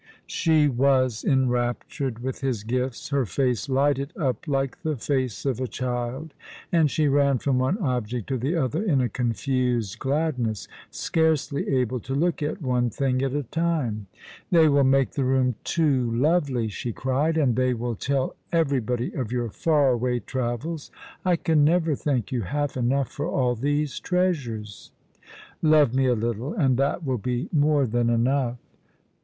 She was enraptured with his gifts. Her face lighted up like the face of a child, and she ran from one object to the other in a confused gladness, scarcely able to look at one thing at a time. " They will make the room too lovely," she cried ;" and they will tell everybody of your far away travels, I can never thank you half enough for all these treasures." " Love me a little, and that will be more than enough."